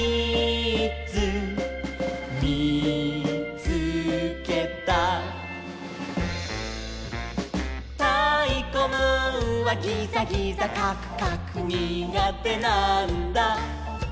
つけた」「たいこムーンはギザギザカクカクにがてなんだ」